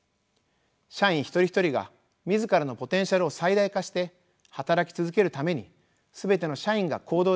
社員一人一人が自らのポテンシャルを最大化して働き続けるために全ての社員が行動しやすいリスキリングプログラム